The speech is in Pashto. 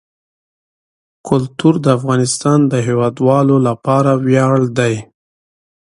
کلتور د افغانستان د هیوادوالو لپاره ویاړ دی.